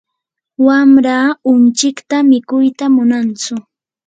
wamraa unchikta mikuyta munantsu.